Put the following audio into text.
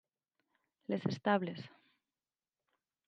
Les Estables